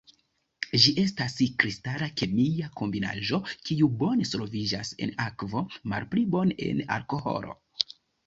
Ĝi estas kristala kemia kombinaĵo, kiu bone solviĝas en akvo, malpli bone en alkoholo.